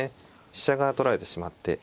飛車が取られてしまって。